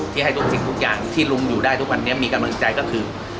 ที่ให้ทุกสิ่งทุกอย่างที่ลุงอยู่ได้ทุกวันนี้มีกำลังใจก็คือ